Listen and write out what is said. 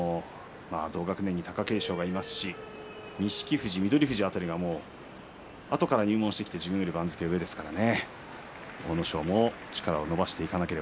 同学年に貴景勝がいますし錦富士と翠富士辺りはあとから入門してきて自分より番付が上ですからね。